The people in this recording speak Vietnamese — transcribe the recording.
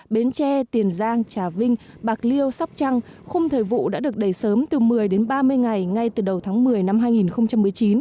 bến tre tiền giang trà vinh bạc liêu sóc trăng khung thời vụ đã được đẩy sớm từ một mươi đến ba mươi ngày ngay từ đầu tháng một mươi năm hai nghìn một mươi chín